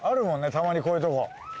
たまにこういうところ。